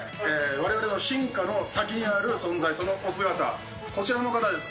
われわれの進化の先にある存在、そのお姿、こちらの方です。